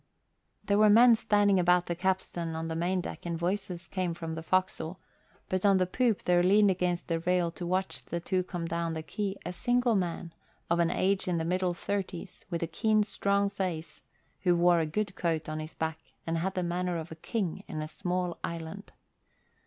There were men standing about the capstan on the main deck and voices came from the forecastle; but on the poop there leaned against the rail to watch the two come down the quay a single man, of an age in the middle thirties, with a keen, strong face, who wore a good coat on his back and had the manner of a king in a small island.